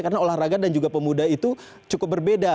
karena olahraga dan juga pemuda itu cukup berbeda